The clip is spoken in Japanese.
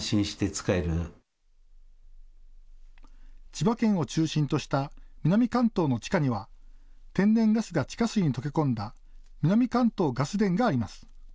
千葉県を中心とした南関東の地下には天然ガスが地下水に溶け込んだ南関東ガス田があります。